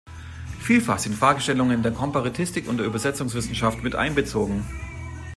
Vielfach sind Fragestellungen der Komparatistik und der Übersetzungswissenschaft miteinbezogen.